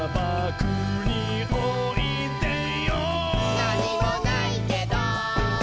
「なにもないけど」